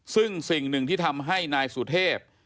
ซึ่งสิ่งหนึ่งที่ทำให้นายสุเทพ